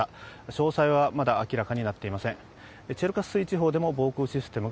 詳細はまだ、明らかになっていません。